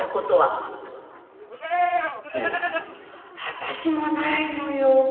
私もないのよ。